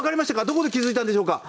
どこで気付いたんでしょうか？